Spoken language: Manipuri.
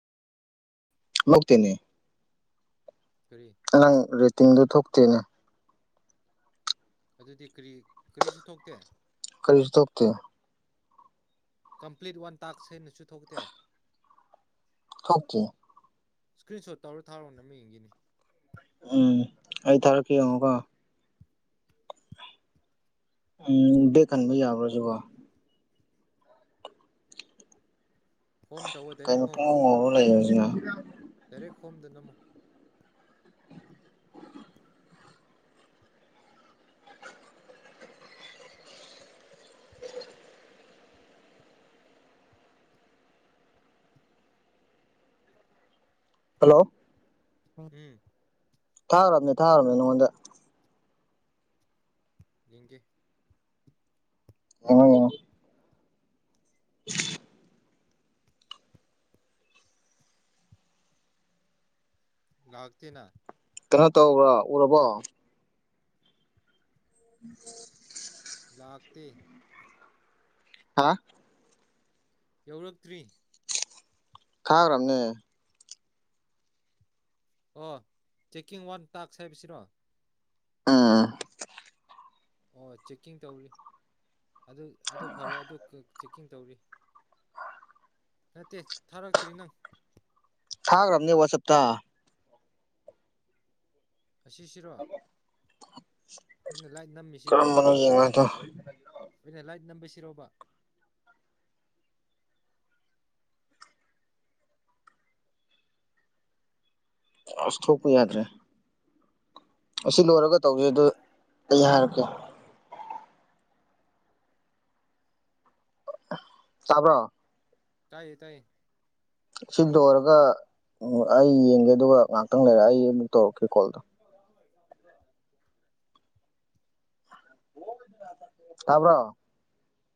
ꯂꯧꯇꯦꯅꯦ ꯀꯔꯤ ꯅꯪ ꯔꯦꯇꯤꯡꯗꯨ ꯊꯣꯛꯇꯦꯅꯦ ꯑꯗꯨꯗꯤ ꯀꯔꯤ ꯀꯔꯤꯁꯨ ꯊꯣꯛꯇꯦ ꯀꯔꯤꯁꯨ ꯊꯣꯛꯇꯦ ꯀꯝꯄ꯭ꯂꯤꯠ ꯋꯥꯟ ꯇꯥꯛꯁ ꯍꯥꯢꯅꯁꯨ ꯊꯣꯛꯇꯦ ꯊꯣꯛꯇꯦ ꯏꯁ꯭ꯀ꯭ꯔꯤ ꯁꯣꯠ ꯇꯧꯔ ꯊꯥꯔꯣꯅꯦ ꯑꯃ ꯌꯦꯡꯒꯤꯅꯤ ꯎꯝ ꯑꯩ ꯊꯥꯔꯛꯀꯦ ꯌꯦꯡꯉꯣꯀꯣ ꯎꯝ ꯕꯦꯛ ꯈꯟꯕ ꯌꯥꯕ꯭ꯔꯥ ꯁꯨꯕꯣ ꯍꯣꯝ ꯇꯧꯋꯣ ꯗꯥꯏꯔꯦꯛ ꯀꯩꯅꯣ ꯍꯣꯝ ꯄꯨꯡꯉꯣ ꯉꯧꯔ ꯂꯩꯔꯝꯃꯤꯖꯤꯅ ꯗꯥꯏꯔꯦꯛ ꯍꯣꯝꯗ ꯅꯝꯃꯨ ꯍꯜꯂꯣ [unintelligible] ꯊꯥꯈ꯭ꯔꯕꯅꯦ ꯊꯥꯈ꯭ꯔꯕꯅꯤ ꯅꯪꯉꯣꯟꯗ ꯌꯦꯡꯒꯦ ꯌꯦꯡꯉꫭ ꯌꯦꯡꯉꫭ [inaudible] ꯂꯥꯛꯇꯦꯅ ꯀꯩꯅꯣ ꯇꯧꯕ꯭ꯔꯥ ꯎꯔꯕꯣ [unintelligible] ꯂꯥꯛꯇꯦ ꯍꯥ ꯌꯧꯔꯛꯇ꯭ꯔꯤ ꯊꯥꯈ꯭ꯔꯕꯅꯦ ꯑꯣ ꯆꯦꯛꯀꯤꯡ ꯋꯥꯟ ꯇꯥꯛꯁ ꯍꯥꯏꯕꯁꯤꯔꯣ ꯎꯝ ꯑꯣ ꯆꯦꯛꯀꯤꯡ ꯇꯧꯔꯤ ꯑꯗꯨ ꯑꯗꯨ ꯐꯔꯦ ꯑꯗꯨ ꯆꯦꯛꯀꯤꯡ ꯇꯧꯔꯤ ꯅꯠꯇꯦ ꯊꯥꯔꯛꯇ꯭ꯔꯤ ꯅꯪ ꯊꯥꯈ꯭ꯔꯕꯅꯦ ꯋꯥꯆꯞꯇ ꯑꯁꯤꯁꯤꯔꯣ ꯑꯩꯅ ꯂꯥꯏꯠ ꯅꯝꯃꯤꯁꯤꯔꯣ ꯀꯔꯝꯕꯅꯣ ꯌꯦꯡꯉꯣ ꯑꯗꯣ ꯑꯩꯅ ꯂꯥꯏꯠ ꯅꯝꯁꯤꯔꯣꯕ ꯑꯁ ꯊꯣꯛꯄ ꯌꯥꯗ꯭ꯔꯦ ꯑꯁꯤ ꯂꯣꯏꯔꯒ ꯇꯧꯁꯩ ꯑꯗꯨ ꯑꯩ ꯍꯥꯏꯔꯛꯀꯦ ꯆꯕ꯭ꯔꯣ ꯇꯥꯏꯌꯦ ꯇꯥꯏꯌꯦ ꯁꯤ ꯂꯣꯏꯔꯒ ꯑꯩ ꯌꯦꯡꯒꯦ ꯑꯗꯨꯒ ꯉꯥꯏꯍꯥꯛꯇꯪ ꯂꯩꯔ ꯑꯩ ꯑꯃꯕꯨꯛ ꯇꯧꯔꯛꯀꯦ ꯀꯣꯜꯗꯣ [inaudible] ꯇꯥꯕ꯭ꯔꯣ